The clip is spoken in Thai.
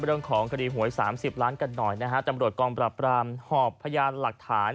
เรื่องของคดีหวย๓๐ล้านกันหน่อยนะฮะตำรวจกองปราบรามหอบพยานหลักฐาน